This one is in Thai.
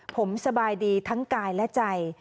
ผมสบายดีทั้งกายและใจ